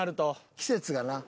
季節がな。